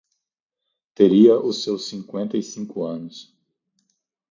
teria os seus cinqüenta e cinco anos.